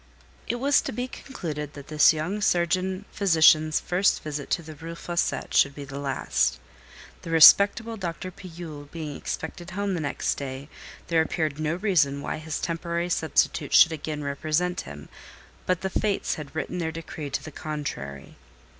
It was to be concluded that this young surgeon physician's first visit to the Rue Fossette would be the last. The respectable Dr. Pillule being expected home the next day, there appeared no reason why his temporary substitute should again represent him; but the Fates had written their decree to the contrary.